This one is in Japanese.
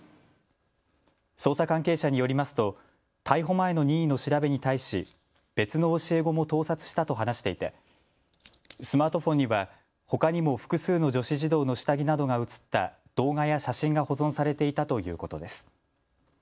捜査関係者によりますと逮捕前の任意の調べに対し別の教え子も盗撮したと話していてスマートフォンには、ほかにも複数の女子児童の下着などが写った動画や写真が保存されていたということです。